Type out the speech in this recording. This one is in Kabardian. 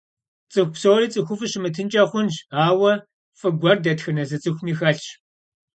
Цӏыху псори цӏыхуфӏу щымытынкӏэ хъунщ, ауэ фӏы гуэр дэтхэнэ зы цӏыхуми хэлъщ.